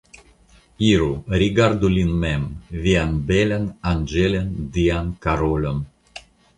Iru, rigardu lin mem, vian belan, anĝelan, dian Karolon!